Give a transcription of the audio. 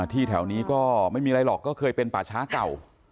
ที่แถวนี้ก็ไม่มีอะไรหรอกก็เคยเป็นป่าช้าเก่า